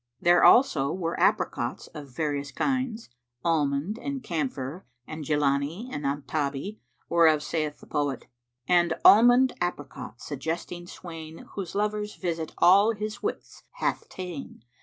"[FN#388] There also were apricots of various kinds, almond and camphor and Jíláni and 'Antábi,[FN#389] wereof saith the poet, "And Almond apricot suggesting swain * Whose lover's visit all his wits hath ta'en.